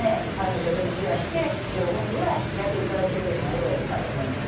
徐々に増やして１５分ぐらいやっていただけるようになればいいかと思います。